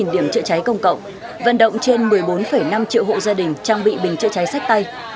bốn mươi điểm chữa cháy công cộng vận động trên một mươi bốn năm triệu hộ gia đình trang bị bình chữa cháy sách tay